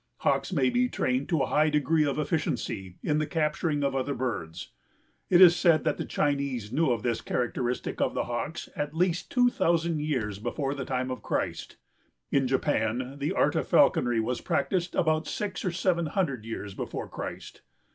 Hawks may be trained to a high degree of efficiency in the capturing of other birds. It is said that the Chinese knew of this characteristic of the Hawks at least two thousand years before the time of Christ. In Japan the art of falconry was practiced about six or seven hundred years before Christ.